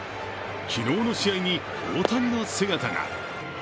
昨日の試合に大谷の姿が。